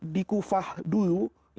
di kufah dulu